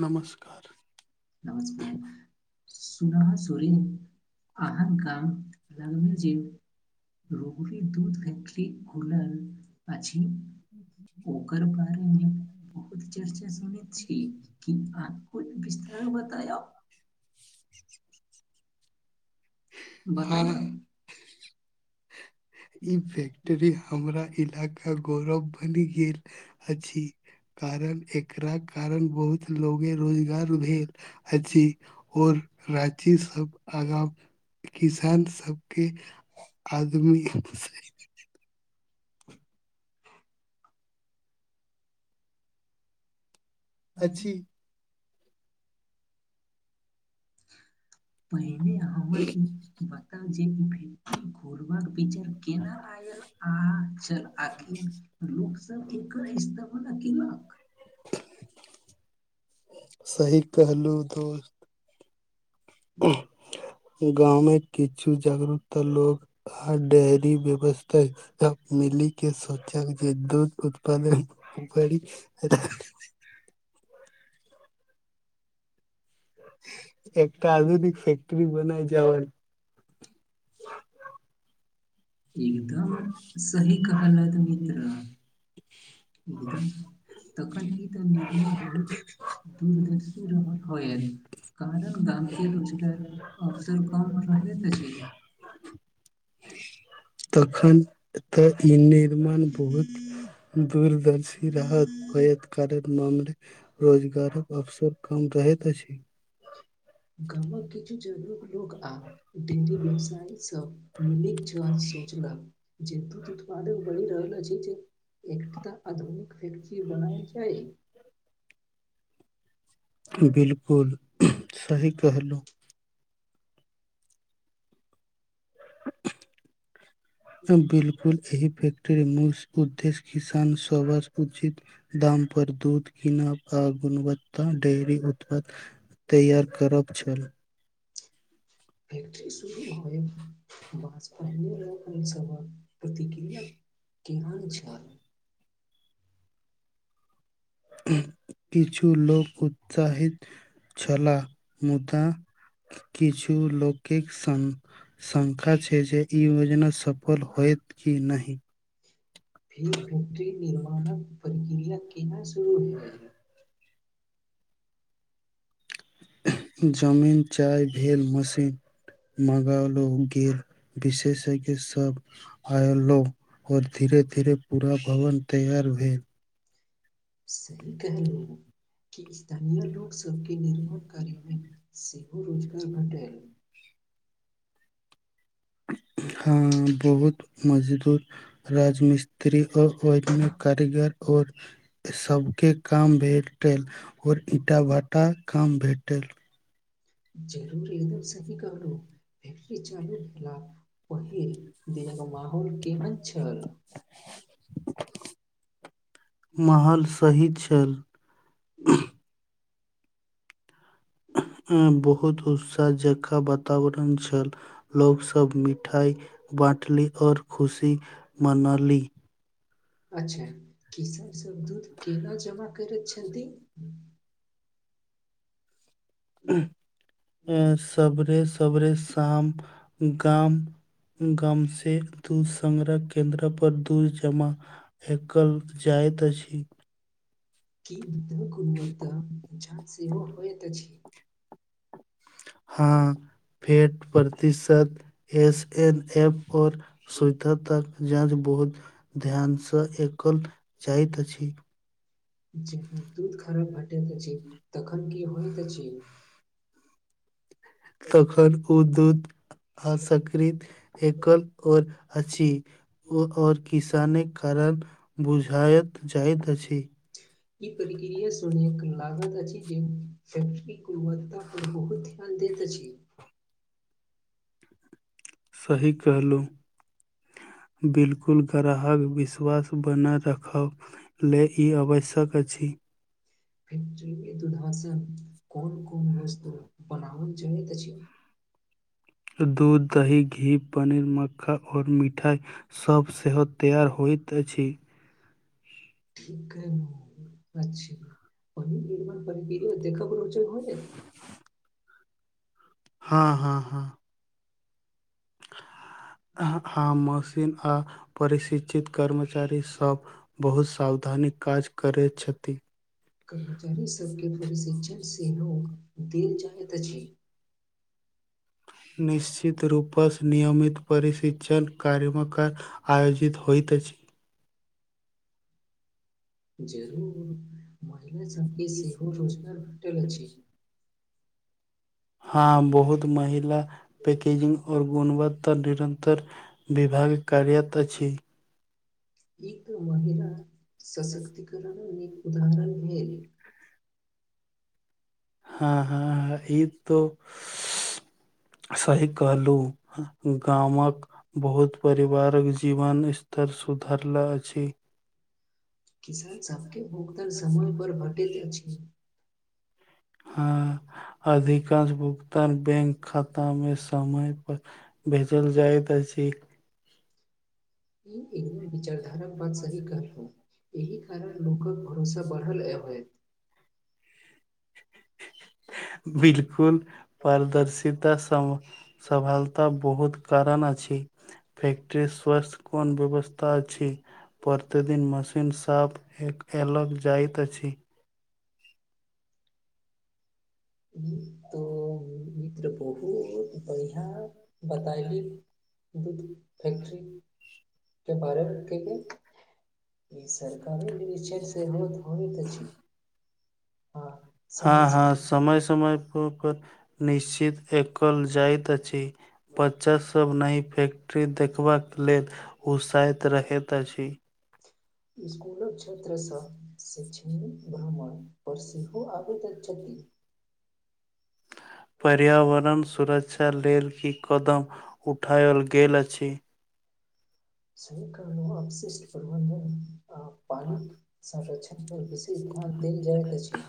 नमस्कार नमस्कार सुनाह सुरी अहन काम जंगली् जीव रबली दूध घुलल अछि। ओकर बारे मे बहुत चर्चा सुुनैत छी कि आब [unintelligible] नाम पता यै ह बतायम? ई फैक्ट्री हमरा इलाका गौरव बनि गेल। अछि कारण एकरा कारण बहुत लोगे रोजगार भेल। अछि और राँची सब आगा किसान सब के आदमी [unintelligible] [inaudible] अछी पहिने हमर ई बता जे ई भेल घोरबा कऽ विचार केना आयल आ छल आखिर लोक सब एकर इस्तेमाल केलक। सही कहलू दोस्त। गाममे किछु जागरूता लोक बाहर डेयरी व्यवस्था सब मिली के सोचल जे दूध उत्पादन करी [unintelligible] एकटा आधुनिक फैक्टरी बनाय जावल। एकदम सही कहलथ मित्र [inaudible] एकदम तखन ई तऽ निर्णय बहुत दूरदर्शी रहल। होयत कारण गाम के रोजगार अवसर कम रहैत अछि। तखन एतय ई निर्माण बहुत दूरदर्शी रहत-होयत-करत मामले रोजगारक अवसर कम रहैत अछि। गामक किछु जागरूक लोक आ डेयरी व्यवसायी सब मिली सब आदमी सोचलक जे दूध उत्पादक बढ़ि रहल अछि जे एकट्ता आधुनिक फैक्ट्ररी बनायल जाइ। बिलकुल सही कहलऊ। बिलकुल एहि फैक्टरी मूल्स उद्देश्य किसान सेवा उचित दाम पर दूध कीनब आ गुणवत्ता डेयरी उत् पाद तैयार करब छल। फैक्ट्री शुरू भऽ गेल, बस पाइने लोक हमसबक प्रतिक्रिया केहन छल। किछु लोक उत्साहित छला मुदा किछु लौकिक संग शंका छै जे, ई योजना सफल होयत की नहि। फेर फैक्ट्री निर्माणक प्रक्रिया केना शुरू भेल। जमीन चाय भेल मशीन मंगौलौ गेल विशेषज्ञ सब आय लौ और धीरे-धीरे पूरा भवन तैयार भेल। सही केनियों। कि स्थानीय लोक सबके निर्माण कार्य मे सेहो रोजगार भेटै। हं बहुत मजदूर राजमिस्त्री अ ओयमे कारीगर और सब के काम भेटल, और ईंटा-भटा काम भेटल। जरूर एकदम सही कहलौ, फैक्ट्री चालू भेला प पहिल दुनिया के माहौल केहन छल। माहौल सही छल। ऐं बहुत उत्साह जेकाँ वातावरण छल, लोक स सब मिठाई बाँटली और खुशी मनाली। अच्छा किसान सब दूध केना जमा करैत छथि। उंह ए सबरे-सबरे साम-गाम गाम से दूध संग्रह केन्द्र पर दूध जमा एकल जाइत अछि। की दुध गुणवत्ता जाँच सेहो होइत अछि। हाँ फेट प्रतिशत एस एन एफ अओर स्वधता जाँच बहुत ध्यानसँ एकल जाइत अछि। जखन दूध खराब भेटैत अछि, तखन की होइत अछि। तखन ओ दूध आसंकृत एकल ओर अछि। ओ और किसाने कारण बुझायत जाइत अछि। ई प्रक्रिया सुनये लागत अछि छैय जे फैक्ट्री गुर्वत्ता पर बहुत ध्यान दैत अछि। सही कहलहुँ। बिलकुल ग्राहक विश्वास बने राखब। लए ई आवश्यक अछि। फैक्ट्री मे दुध से कोन- कोन वस्तु बनाओल जायत अछि। दूध, दही, घी, पनीर, मक्खन और मिठाइ। सब सेहो तैयार होइत अछि। [unintelligible] हाँ- हाँ - हाँ। अह- आ मशीन आ परिशिक्षित कर्मचारी सब, बहुत सावधानी काज करे छथि। कर्मचारी सबके प्रशिक्षण सेहो देल जाइत अछि। निश्चित रूपसँ नियमित परिशिक्षण कार्यमकार आयोजित होइत अछि। जरूर महिला सबके सेहो रोजगार भेटल अछि। हाँ बहुत महिला पैकेजिंग और गुणवत्ता निरन्र त्तर विभाग कार्यत अछि। ई तऽ महिला सशक्तिकरण नीक उदहारण भेल। हाँ- हाँ ई तो सही कहलहुँ। गामक बहुत परिवारक जीवन स्तर सुधरले अछि। किसान सबके भुगतन समय पर भेटैत अछि। हाँ अधिकांश भुगतान बैंक खाता में समय भेजल जाइत अछि। ई एकदम विचारधार बात सही कहलहुँ, एहि कारण लोकक भरोसा बढ़ल अवेत। बिलकुल पारदर्शिता साॅ सफालता बहुत कारण अछि। फैक्ट्री स्वस्थ्य कोन व्यवस्था अछि। प्रतिदिन मशीन साफ एक अलग जाइत अछि। ई तो। [unintelligible] बहुत बढ़िआँ बतयली। दूध फैक्ट्री के बारे में कहिए। ई सरकारी निरीक्षण सेहो होइत अछि। हँ -हँ समय- समय परप निश्चित एकल जाइत अछि बच्चा सब नहि फैक्ट्री देखबाक लेल उत्साहित रहैत अछि। स्कुलक क्षेत्रसँ शै्षणिक भ्रमण पर सेहो आबेैत छथि। पर्यावरण सुरक्षा लेल, ई कदम उठायल गेल अछि। सही कहलहु हे अवशिष्ट प्रबधन आ पानिक संरच ना पर विशेष ध्यान देल जायइत अछि।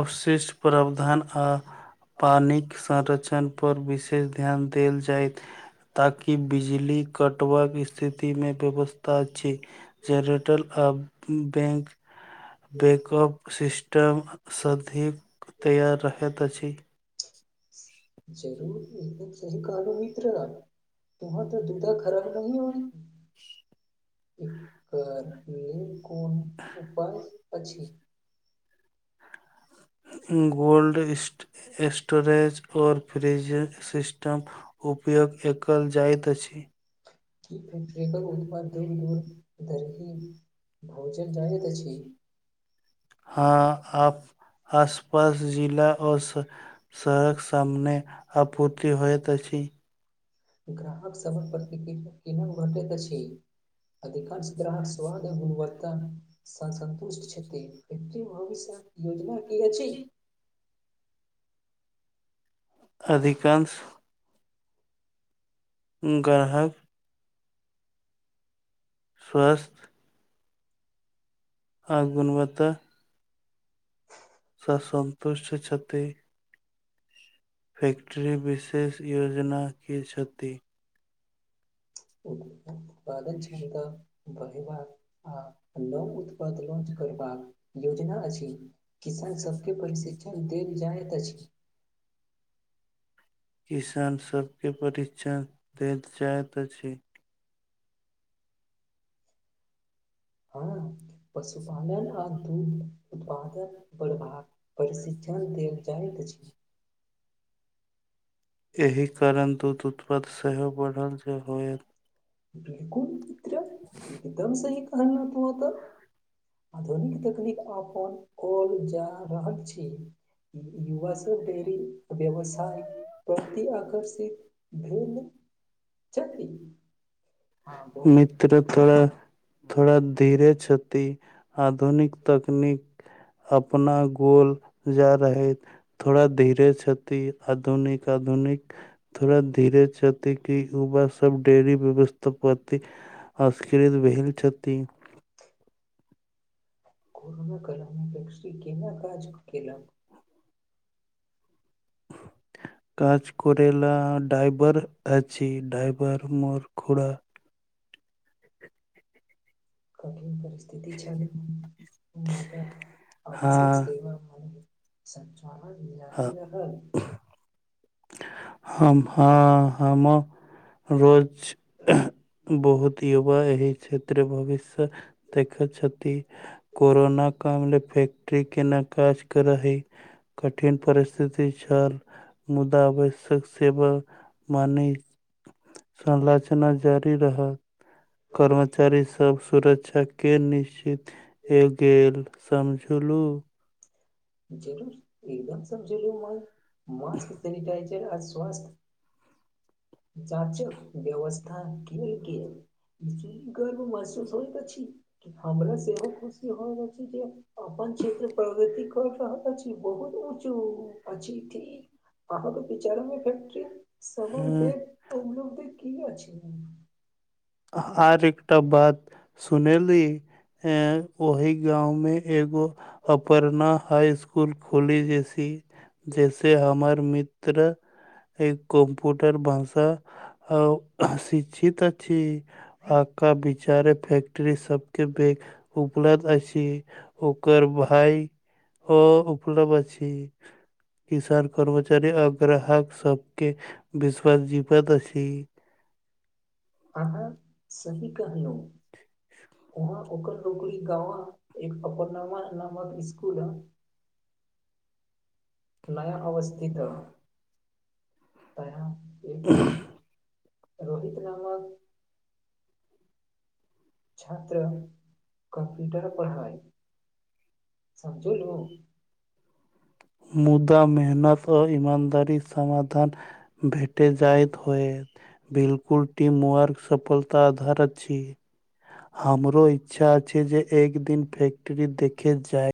अवशेष प्रावधान आ। पानीक संरक्षण पर विशेष ध्यान देल जायत। ताकि बिजली कटबाक स्थिति। ई में व्यवस्था छै, जेनरेटरल आ बैंक। बैकअप सिस्टमसँधिक तैयार रहैत अछि। जरूर एक सही कहलू। तह तऽ दुधा खराब न होइ। एक बिल्कुल उपाय अछी। गोल्ड स्टोरज और फ्रिज सिस्टम। उपयोग एकल जाइत अछि। की फैक्ट्रक उत्पाद दूर-दूर दरह भहुजल जानैत अछि। हँ आब आसपास जिला और। सड़क सामने आपूर्ति होइत अछि। ग्राहक सभक प्रति की। केन घटैत अछि, अधिकांश ग्राहक स्वाद गुणवत्ता। स सन्तुष्ट छथिन प भविष्य योजना की अछि। अधिकांश। ग्राहक। स्वस्थ। आ गुणवत्ता। स सन्तुष्ट छथि‌‌। फैक्ट्री विशेष योजना की छथि। बाद छन्द बहिव आ। ल उत्पाद लॉन्च करबाक योजना अछि। किसान सबके प्रशिक्षण देल जाइत अछि। किसान सब के परीक्षण देल जाइत अछि। हँ पशुपालन आ दूध उत्पादन बढ़बाक। प्रशिक्षण देल जाइत अछि। एहि कारण दूध उत्पाद सेहो बढ़ल जे होयत। बिलकुल मित्र एकदम सही कहलहुत तऽ। आधुनिक तकनीक अपन कल जा रहल छी। युवा सब डेरी व्यवसाय। प्रति आकर्षित भेल छथि। मित्र त थोड़ा धीरे छथि। आधुनिक तकनीक। अपना गोल जा रहैत, थोड़ा धीरे छति। आधुनिक-आधुनिक थोड़ा धीरे चत क युवा सब डेयरी व्यवस्था। प्रति असक्रित भेल छथि। कोरोना कालमे एकसी केना काज केलऽ। काज करैला डाइभर अछि, डाइभर मोर खोड़ा। कठिन परिस्थित। परिस्थि छेल मुदा आवश्यक सेवा मुनमे बसेल छल। सानआद रहल। हम हँ हम। रोज बहुत युवा एहि क्षेत्र भविष्य। [unintelligible] देख छथि। कोरोना कामले फैक्ट्री केना काज कर रहय। कठिन परिस्थिति छल। मुदा आवश्यक सेवा मानि लचना जारी रहल। कर्मचारीसभ सुरक्षाके निश्चित हे गेल समझुलू? [unintelligible] जांचक वेवस्था केल गेल। [unintelligible] गर्व महसूस होइत अछी, हमरा सेहो खुशी होइ अछि जे अपन क्षेत्र प्रगति क रहल अछि बहुत ऊँचो अछि ठीक अहाँकऽ विचार मे फैक्ट्री समनते उपलब्धि कीये [unintelligible] [unintelligible] ता बात सुनेली एँ ओहि गांव मे एगो अपरना हाई स्कूल खोली जैसी जैसे हमर मित्र ऐ कंपुटर भाषा अउ शिक्षित अछि। अका बिचारे फैक्ट्ररी सबके बे उपलब्ध अछि। ओकर भाय ओ उपलब्ध अछि। किसान कर्मचारी आ ग्राहक सबके विश्वास जीवैत अछि। अहाँ सहि कहलहुं। उहां ओकर नौकरी गंवा एक अपरनामा नामक इस्कूल हँ नया अवस्थित, नया एक रोहित नामक छात्र कम्प्यूटर पढ़ाइ समझुलू? मुदा मेहनत और ईमानदारी समाधान भेटैत जायत होय्त बिल्कुल टीम वर्क सफलता अधार अछि। हमरो इच्छा अछि जे एक दिन फैक्टरी देखे जाय।